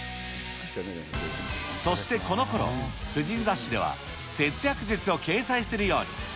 そしてこのころ、婦人雑誌では節約術を掲載するように。